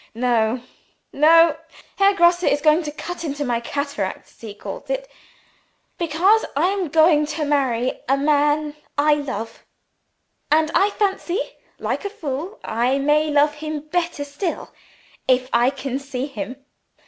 No! no! Herr Grosse is going to 'cut into my cataracts,' as he calls it because I am going to be married to a man I love; and I fancy, like a fool, I may love him better still, if I can see him.